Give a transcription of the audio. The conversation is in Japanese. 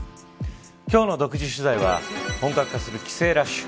今日の独自取材は本格化する帰省ラッシュ。